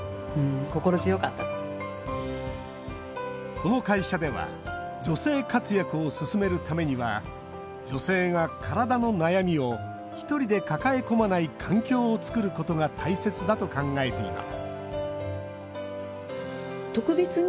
この会社では女性活躍を進めるためには女性が体の悩みを一人で抱え込まない環境を作ることが大切だと考えています